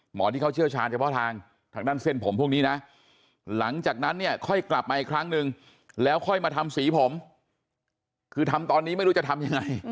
ที่เขาเชี่ยวชาญเฉพาะทางทางด้านเส้นผมพวกนี้นะหลังจากนั้นเนี่ยค่อยกลับมาอีกครั้งนึงแล้วค่อยมาทำสีผมคือทำตอนนี้ไม่รู้จะทำยังไง